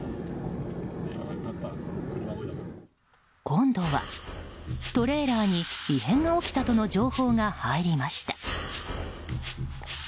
今度はトレーラーに異変が起きたとの情報が入りました。